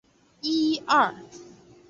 墨翟着书号墨子。